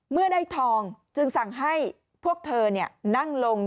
เมื่อได้ทองจึงสั่งให้พวกเธอนั่งลง